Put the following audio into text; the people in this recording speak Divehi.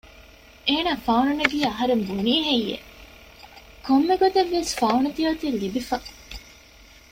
އޭނާ ފައުނު ނެގިއޭ އަހަރެން ބުނީހެއްޔެވެ؟ ކޮންމެ ގޮތެއްވިޔަސް ފައުނު ތިޔައޮތީ ލިބިފަ